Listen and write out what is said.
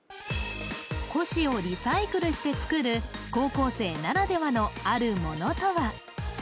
古紙をリサイクルして作る高校生ならではのあるものとは？